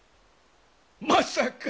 まさか！